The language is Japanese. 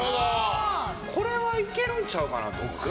これはいけるんちゃうかなと。